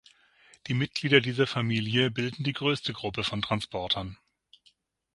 Die Mitglieder dieser Familie bilden die größte Gruppe von Transportern.